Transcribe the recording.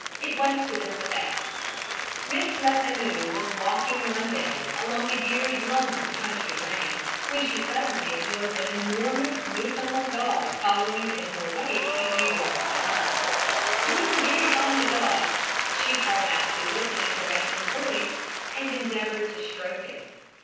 It was to this effect. Miss Lefanu was walking one day along a very lonely country lane, when she suddenly observed an enormous Newfoundland dog following in her wake a few yards behind. Being very fond of dogs, she called out to it in a caressing voice and endeavoured to stroke it.